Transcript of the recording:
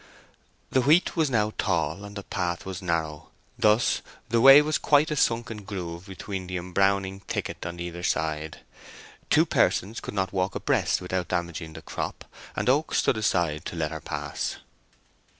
The wheat was now tall, and the path was narrow; thus the way was quite a sunken groove between the embowing thicket on either side. Two persons could not walk abreast without damaging the crop, and Oak stood aside to let her pass.